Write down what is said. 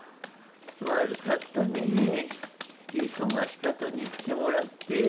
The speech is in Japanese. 悪かったね忙しかとに来てもらって。